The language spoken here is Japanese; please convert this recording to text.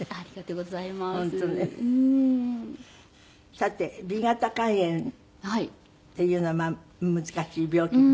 さてＢ型肝炎っていうの難しい病気で。